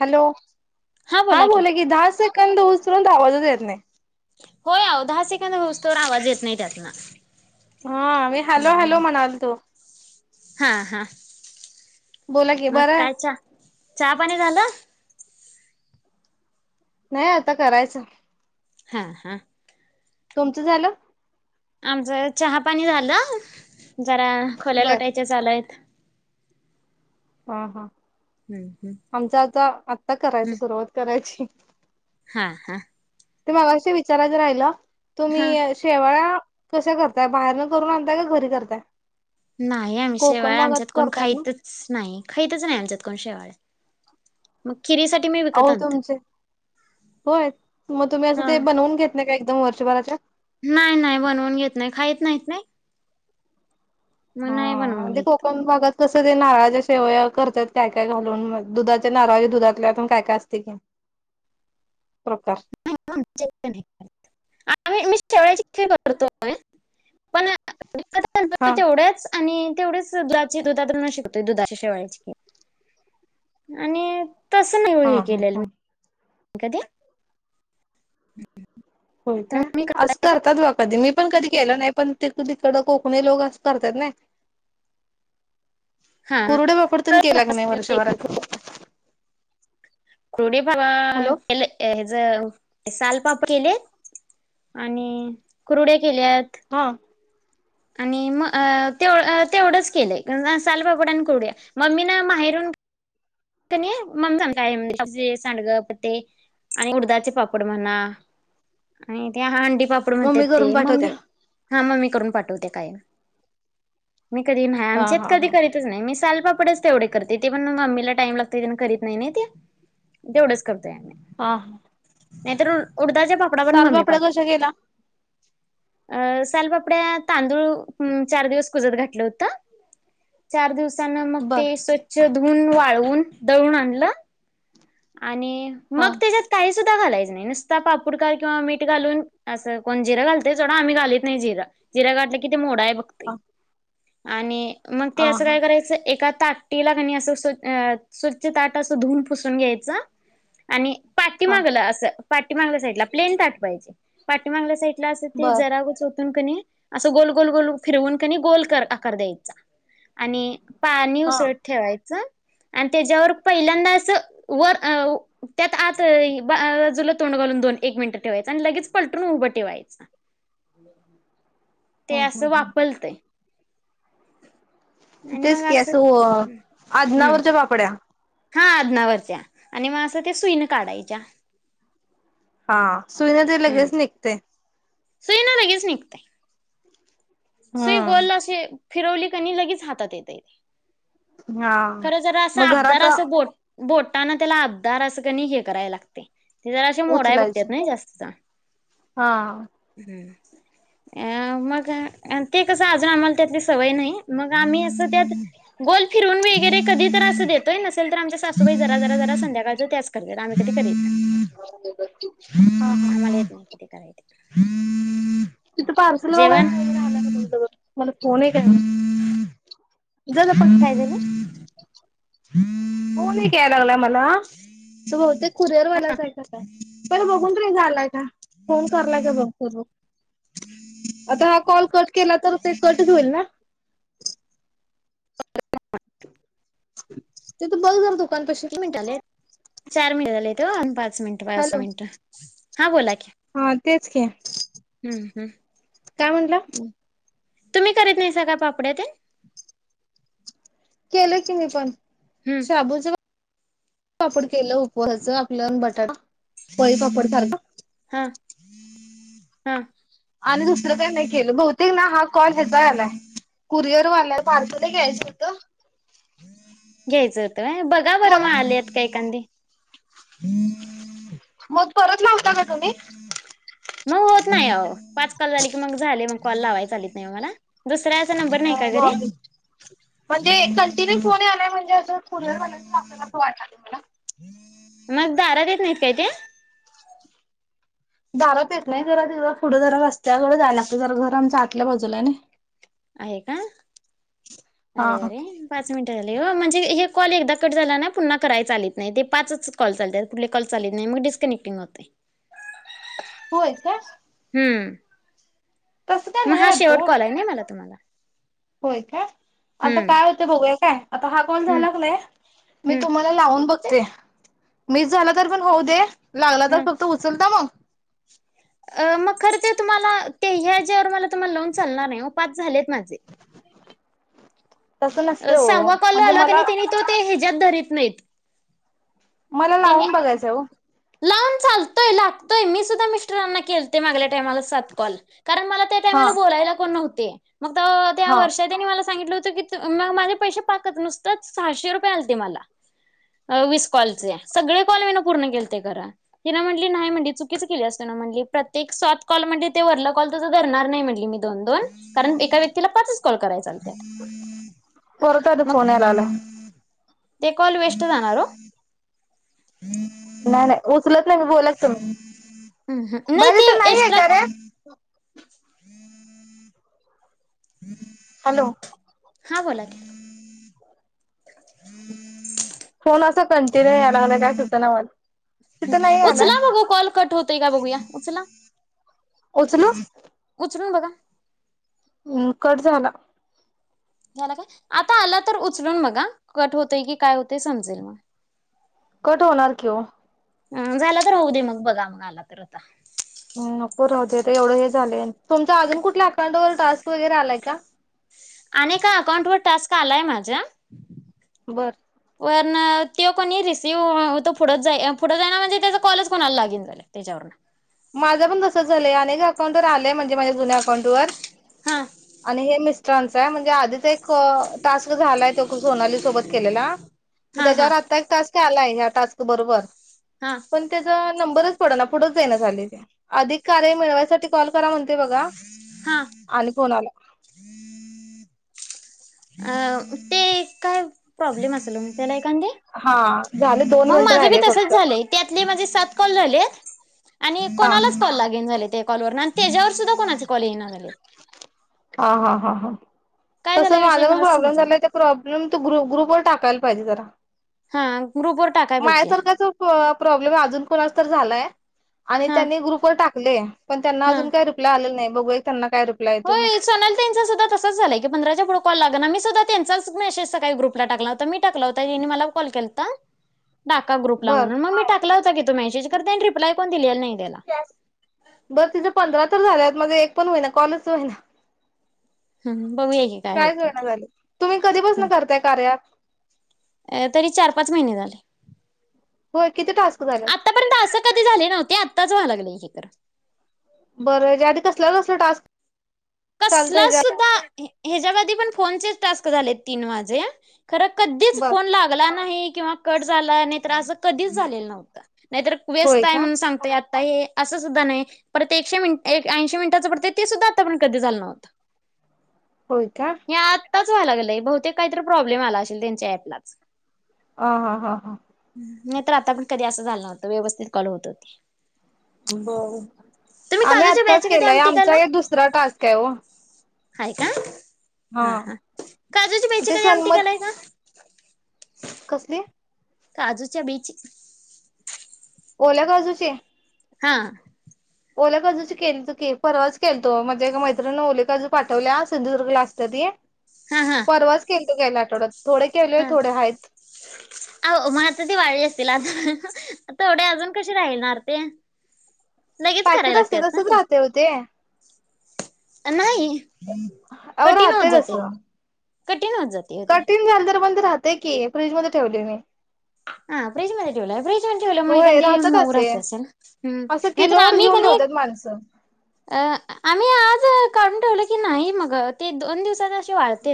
Hello हा बोला की दहा स- सेकंद होईस पर्यंत आवाजच येत नाही. होय आवो दहा - सेकंद होईन पर्यंत आवाज येत नाही त्यातला. हा मी हॅलो हॅलो म्हणाल तो हां हां. बोला की बरं. चहा पाणी झालं? नाही आता करायचं. हा हा. तुमचं झालं? आमचं चहा -पाणी झालं. जरा खोल्या बर लोटायच्या चालयत. हा हा. हम्म हम्म आमच आता- का करायच सुरवात करायची? हां हां. ते मगाशी विचारायचं राहिलं. हा तुम्ही शेवळया- कशा करताय? बाहेरन करून आणताय का घरी करताय? नाही आम्ही कोकण शेवाळया भागात आमच्यात कोण करतात ना खाईतच नाही. खाईतच नाही आमच्यात कोण शेवाळया. मग. खिरीसाठी मी विकत अहो आणते तुमचे होय मग, तुम्ही असं हा ते बनवून घेत नाही काय? म वर्षभरासाठी नाही नाही बनवून घेत नाही खायत नाहीत नाही मग हा नाही बनवून म्हणजे घेत कोकण भागात कसं ते नारळाच्या शेवय करतात काय काय घालून दुधाच्या नारज दुधातल्यातून काय काय असते कि ी [inaudible] शेवयची खीर करतोय पण हा तेवढ्याच आणि तेवढेच दुधा दुध शिकत दुधा शेवायची की आणि तसं हा नाही हे हा केलेलं म हा कधी हो का तर मी असं करताय का करतात बा कधी मी पण कधी केलं नाही पण ते त तिकडं कोकणी लोक असं करतात ना हा वर्षभरात कुडे भावा [inaudible] हा हॅलो प्रश्न केल्यात हा आणि म ते तेवढंच केलंय सालपापड आणि कुड्या मम्मी ना माहेरून ममी सांडगप ते आणि उडदाचे पापड म्हणा आणि ते हंडी [inaudible] पापड म मम्मी ते करून पाठवत्या म्मी हा मममी करून कायम मी कधी नाही हा आमच्यात हा कधी हा करीतच नाही मील पडच तेवढे करते ते पण मम्मीला टाइम लागते करत नाही तेवढंच करते हा हा नाहीेतर उडदाचे पापडा पण मम्मी कशा पाठवते केला अ सालपापड आपडे तांदूळ चार दिवस कुजत घातले होत चार दिवस सण बर मुक्ती स्वच्छ धून वाळून दळून आण आणि हा मग त्याच्यात काही सुद्धा घालायच नाही नुसता पापुडकार किंवा मीठ घालून असं कोण जिरां घालतेय तेवढा आम्ही घालीत नाही जिरा जिरााडला कती मोडा आहे वक्त हा आणि मग ते हा असं हा काय करायचं एका ताटीला क अस स्व स्वच्छ ताट असं धुून पुसून घ्यायचं आणि पाठी हा मागलं असं पाटीमाांगल्या साईडला प्लेन ताट पाहिजे पाटीमाांगल्या साईड बर जराच हो तुम कने असं गोल गोल गोल फिरवून कनी गोल कर द्यायचा आणि पाणी हा उसळत ठेवायचं ह आणि त्याच्यावर पहिल्यांदा अस वर अ त्यात आत बाजूला तोंड घालून दोन एक मिनिटं ठेवायचं आणि लगेच पलटून उभं ठेवायच ते हा असं हा वापलती तेच की असं हम्म आदनावरच्या बापड्या हा अदनावरच्या आणि मग असं ते सुईन काढायच्या हा सुईना ते लगेच निघते सुई ना लगेच निघते स हम्म. गल्ला स फिरवली कनी लगेच हातात येते हा खरं जरा असं मग आबदार घरात अस बोट बोटाना त्याला अबदार असं कणी हे करायला लागते ते जरासं मोडाय उचलायचं. बघतात ना जास्तचा हा हम् अ म का ते कसं अजून आम्हाला त्यातली सवय नाही मग आम्ही असं त्यात गोल फिरून वगैरे कधी तर असं देतोय नसेल तर आमच्या सासूबाई जरा जरा जरा संध्याकाळ त्याच कर आम्ही कधी करीत नाही हम्म क कराते तथ पार्सल व मला फोन आहे काय इला प काय झालं कोणी क याय लागला मला त ब होते कुरेरवालाचय काय बर बघून त झालाय का फोन करलाय का बघ स आता हा कॉल कट केला तर ते कट होईल ना ते तर बघ झाल त तीन मिनटंले चार महिनटले त अन पा पाच मिनट पाच हॅलो मिनिट हा बोला क के हम् काय म्हटंला? तुम्ही करीत नाहीसा का पापड्या तेन? केलं की मी पण. शाबूच पापड केलं उपहासाच आपलं बटाटा पळीपापड [unintelligible] हा. हा. आणि दुसरं काही नाही केलं बहुतेक ना हा कॉल ह्याचा आलाय कुरिअरवालाय पार्सर घ्यायचं होतं. घ्यायचं होतं होय बघा बरं म बोला आल्यात काही कांदीे. मग परत लावता का तुम्ही? मग होत नाही अ पाच कॉल झाली की मग झाले मग कॉल लावाय चालीत नाही मला दुसऱ्या [unintelligible] म्हणजे फोन यालाय म्हणजे अस कुर्यरवाल्याचा असेल असं वाटलय मला. मग दारात येत नाहीत काय ते? दारात येत नाही जरा तिकडं पुढं जरा रस्त्याकडे जायला लागत जरा घर आमच्या आतल्या बाजूला आहे नाही. आहे का हा अरे हा अरे पाच मिनिट झाले ओ म्हणजे हे कॉल एकदा कट झाला ना पुन्हा कराय चालत नाही, ते पाच कॉल चालत पुढले कॉल चालत नाही मग डिस्कनेक्टिंग होते. होय काय. हम्म. तसं काय मग नाही हा वाटत शेवट ओ कॉल आहे. नाही मला तुम्हाला. होय काय आता हम्म काय होत बघूया काय? आता हा कॉल हम्म झाला कणी मी हम्म तुम्हाला लावून बघ ते मीस झालं तर पण होऊ दे! लागला तर हम्म करतो उचलता मग. [inaudible] अ मग खरं तर तुम्हाला ते ह्याच्यावर मला तुम्हाला लावून चालणार नाही ओ पाच झालेत माझे. तसं नसते हो सव्वा कॉल म्हणजे आला कणी मला त्यानी तो हे त धरीत नाहीत. मला त्यांनी लावून बघायचं हो. लावून चालतोय लागतोय मी सुद्धा मिस्टरांना केलते. मागल्या टामाला सात कॉल कारण मला त्या हा टायमाला बोलायला कोण नव्हं ते. त त्या हा वर्षात त्यानी मला सांगितलं होत कि मग माझे पैसे पाकत नुसत सहाशे रुपये आलते मला वीस कॉलचे. सगळे कॉल मी ना पूर्ण केलते खर तिन म्हटली नाही म्हणली चुकीच केली तुन म्हटली प्रत्येक सात कॉल म्हण ते वरला कॉल तर धणार नाही म्हटली मी. दोन, कारण एका व्यक्तीला पाचच कॉल कराय चालत्या परत आता मग फोन यायला लागलाय ते कॉल वेस्ट जाणार ओ. नाय नाय उचलत नाही मी बोलात तुम नाही बर ते त नाही हे एक्स्ट्रा कार हॅलो! हा बोला फोन अस कं तेला न्याय लागलं की आठवतं ना मग. [unintelligible] उचला बघू कॉल कट होतय का बघूया उचला उत उचलू उचलून बघा? हम्म कट झाला. झाला का आता आला तर उचलून बगा कट होतंय की काय होतंय समजेल कट होणार की ओ. अ झाला तर होऊ दे मग बघा मग आला तर आता. अन नको राहुदे ते एवढं हे झाले तुमच अजून कुठल्या अकाउंट वर टास्क वगैरे आलाय का? आणि एका अकाउंट वर टास्क आलाय माझ्या. बरं वरना त्यो कोणी रिसीव्ह अ मतो पुढच जाय पुढं जायना म्हणजे त्याचा कॉलच कोणाल लागीन झाला त्याच्यावरून. माझं पण तसं झालंय अनेक अकाउंटर आले म्हण माझ्या जुन्या अकाऊंट वर हा आणि हे मिस कांचाय म्हजे आधीच एक क टास्क झालाय त्यो को सोनाली सोबत केलेला म हा हा त्याच्यावर आत्ता एक टास्क आलाय ह्या टास्क बरोबर. हा कोणते जर नंबरच पडना पुढंच जाईना. झालंय ते अधिक कार्य मिळवायसाठी कॉल करा म्हणते बघा हा [unintelligible] [inaudible] अ मते काय? प्रॉब्लेम असल म त्याला एखांदी हा झाले दोन मंग मिनिटं माझं बी राहिले तसच फक्त झालंय त्यातले माझे सात कॉल झालेत आणि हा कोणालाच कॉल लागेन झाले ते कॉलवर आण त्याच्यावर सुद्धा कोणाचे कॉल येईना झालेत. हा हा हा हा. काय तस झाला विषय माझा पण मला प्रॉब्लेम समजेना. झालाय त्या प्रॉब्लम तो ग्रु ग्रुपवर टाकायल पाहिजे जरा. हा ग्रुपवर टाकाय पाहिजे मायासारखा जो पो प्रॉब्लेम हे अजून कोणाल तर झालाय. आणि हा त्यांनी ग्रुप वर टाक ख पण त्यांना हा अजून काही रिप्लाय आलेला नाही ये बघूया त्यांना काय रिप्लाय येतोय मग त्यांचं सुद्धा तसंच झालंय की पंधरा च्या पुढे कॉल लागे ना मी सुद्धा त्यांचाच मेसेज सकाळी ग्रुपला टाकला होता मी टाकला होता यांनी मला कॉल केल ता टाका ग्रुपला बर म्हणून मी टाकला होता तो मेसेज करते आणि रिप्लाय कोण दिलेला नाही त्याला. बर तिच पंधरा झाल्यात माझे एक पण होहिना कॉल च होई ना हम्म बघूया की काय कायच होतंय होईना ते. झाले तुम्ही कधीपासून करताय कार्या अँप अ तरी चार पाच महिने झाले होय किती टास्क झालेत आतापर्यंत असं कधी झाले नव्हते आताच व्हायला लागलं हे तर बरं त्या आधी कसला -कसला टास्क? चालतं कसला ह्याच्या सुद्धा ह्याच्या आधी पण फोनचेच टास्क झाले तीन माझे खरं कधीच बर फोन लागला नाही किव्हा कट झाला नाही असं कधीच झालेलं नव्हत नाहीतर होय व्यस्त आहे का म्हणून सांगतात असं सुद्धा नाही परत एकशे मिनिटा च एक ऐंशे मिनटचं पडतय ते सुद्धा आताण कधी झालं नव्हतं होय का? आता च व्हायला लागलंय बहुतेक काही तरी प्रॉब्लेम आला असेल त्यांच्या अँप लाच ह- हा- हा- हा नाही तर आता पण कधी असं झालं नव्हतं व्यवस्थित कॉल होत होते ब तुम्ही आम्ही काजूच्या आत्ताच बियाची कधी केलाय आमटी आमचा एक दुसरा टास्क आहे तेव्हा आहे का? हा हा काजूच्या बियाणं ची ते कधी आमटी सन्मत केला य का? कसली काजूच्या बीची ओल्या काजु ची हा ओल्या काजूची केली, परवाच केली तो म्हणजे एका मैत्रिण ओेले काजू पाठवले सिंधुदुर्गला असते ती हा हा. परवाच केली गेल्या आठवड्यात थोडे केलोय हा थोडे आहेत. अ मता ती वाढली असतील आता तेथोढ्या अजून कशी राहिणार ते लगेच पॅकेट करायला असते लागतात ना तसच ते राहते होते नाही अर कठीण होत आते बस जाते. कठीण होत जाते ओ ते कठीण झालं तर पण राहते की फ्रीज म ठेवली मी हा फ्रीज मध्ये ठेवलं फ्रीज मध्ये ठेवलं मग होय एखादीी राहतात मऊ असे राहते असेल असं नाहीतर किलोवर आम्ही घेऊन ठेवतात माणसं आम्ही आज काढून ठेवलं नाही मग ते दोन दिवसात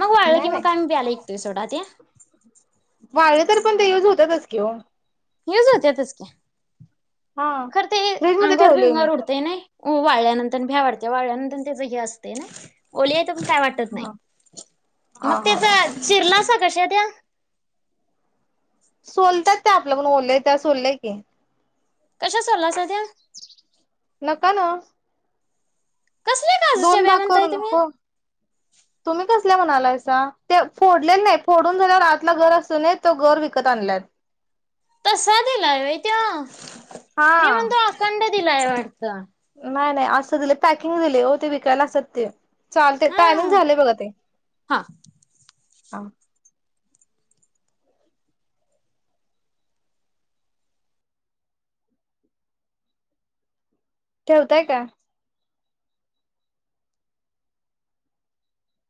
मग वा की नाही बाई मग आमला त सोडा त्या मारले तर पण, ते युझ होतातच की ओ? युझ होत्यातच की. हा खरं ते, फ्रीज मध्ये अंगावर ठेवलोय मी बिंगावर उडतेय नाही. हो वाळल्यानंतर, भ्या वाढत वाळल्यानंतर तेच हे असतय ना ओल- का वात नाही हा हा मग हा हा त्या [inaudible] [unintelligible] कशा त्या? सोलतात त्या आपल्याकडून, ओललंय त्या सोललंय की. कशा सोलासा त्या? नका ना. कसल्या काजूच्या दोन बिया भाग म्हणताय करून, तुम्ही हो तुम्ही कस- म्हणालायसा? फोडले नाही फोडून झाल्यावर आतला गर असत तो गर विकत आणलात. तसा दिलाय व्हय त्यो? मी म्हणतो, अखंड दिलाय वाटतं? नाय, नाय, असं दिल, पॅकिंग दिलय ओ ते विकायला असत ते. चालते, टायमिंग हा झाले बघ ते. हा ह. ठेवताय का?